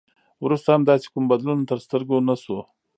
وروسته هم داسې کوم بدلون تر سترګو نه شو.